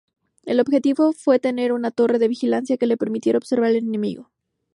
El objetivo fue tener una torre de vigilancia que le permitiera observar al enemigo.